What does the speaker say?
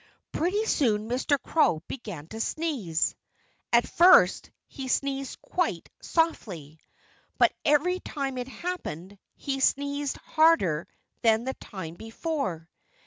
Pretty soon Mr. Crow began to sneeze. At first he sneezed quite softly. But every time it happened he sneezed harder than the time before.